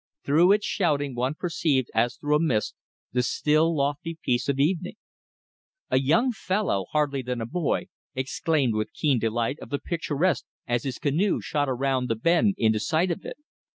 Through its shouting one perceived, as through a mist, the still lofty peace of evening. A young fellow, hardly more than a boy, exclaimed with keen delight of the picturesque as his canoe shot around the bend into sight of it.